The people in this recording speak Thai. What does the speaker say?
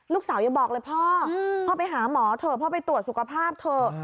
ลูกสาวยังบอกเลยพ่อพ่อไปหาหมอเถอะพ่อไปตรวจสุขภาพเถอะ